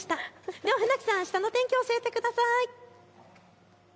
では船木さん、あしたの天気、教えてください。